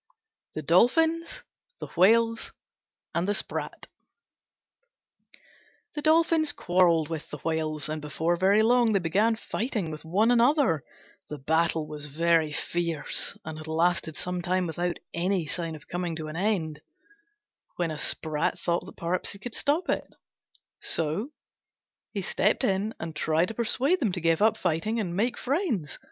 THE DOLPHINS, THE WHALES, AND THE SPRAT The Dolphins quarrelled with the Whales, and before very long they began fighting with one another. The battle was very fierce, and had lasted some time without any sign of coming to an end, when a Sprat thought that perhaps he could stop it; so he stepped in and tried to persuade them to give up fighting and make friends.